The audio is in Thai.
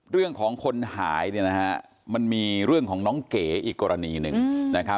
เรื่องของคนหายมันมีเรื่องของน้องเก๋อีกกรณีหนึ่ง